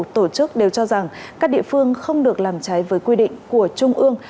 tổ chức đều cho rằng các địa phương không được làm trái với quy định của trung ương